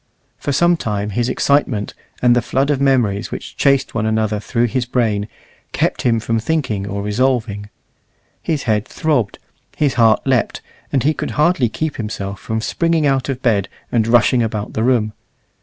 For some time his excitement, and the flood of memories which chased one another through his brain, kept him from thinking or resolving. His head throbbed, his heart leapt, and he could hardly keep himself from springing out of bed and rushing about the room.